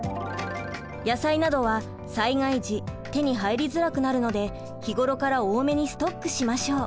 野菜などは災害時手に入りづらくなるので日頃から多めにストックしましょう。